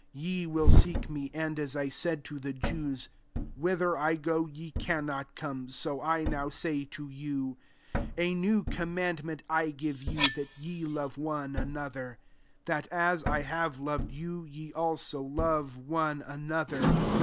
Ye will seek me : and, as 1 said to the Jews, < Whither I go, ye cannot come,' so I now say to you. 34 A new commandment I give you, that ye love one another ; that, as I have loved you, ye also love one another.